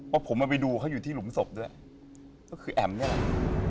เพราะผมเอาไปดูเขาอยู่ที่หลุมศพด้วยก็คือแอ๋มนี่แหละ